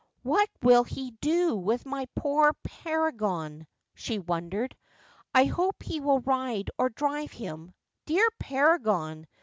'What will he do with my poor Paragon V she wondered. 'I hope he will ride or drive him. Dear Paragon!